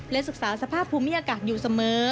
ศึกษาสภาพภูมิอากาศอยู่เสมอ